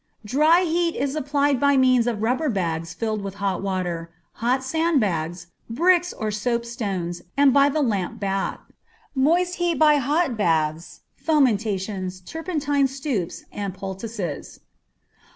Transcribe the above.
Dry heat is applied by means of rubber bags filled with hot water, hot sand bags, bricks, or soapstones, and by the lamp bath. Moist heat by hot baths, fomentations, turpentine stupes, and poultices.